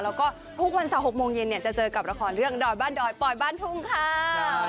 แล้วก็ทุกวันเสาร์๖โมงเย็นเนี่ยจะเจอกับละครเรื่องดอยบ้านดอยปลอยบ้านทุ่งค่ะ